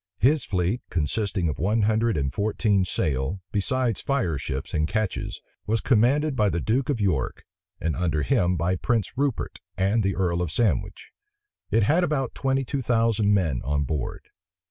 His fleet, consisting of one hundred and fourteen sail, besides fireships and ketches, was commanded by the duke of York, and under him by Prince Rupert and the earl of Sandwich. It had about twenty two thousand men on board.